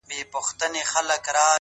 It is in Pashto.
ناهيلی نه یم بیا هم سوال کومه ولي ولي